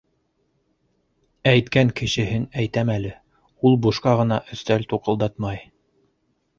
Әйткән кешеһен әйтәм әле, ул бушҡа ғына өҫтәл туҡылдатмай.